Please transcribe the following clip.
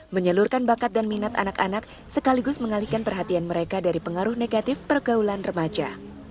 menyalurkan bakat dan minat anak anak sekaligus mengalihkan perhatian mereka dari pengaruh negatif pergaulan remaja